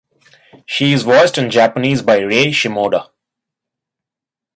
She is voiced in Japanese by Rei Shimoda.